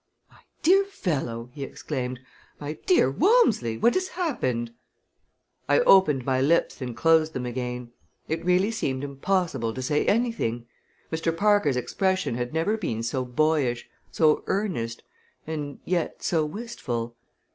"My dear fellow!" he exclaimed. "My dear Walmsley! What has happened?" I opened my lips and closed them again. It really seemed impossible to say anything! Mr. Parker's expression had never been so boyish, so earnest, and yet so wistful.